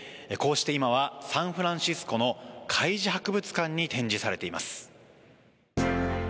こうして今はサンフランシスコの海事博物館に展示されています。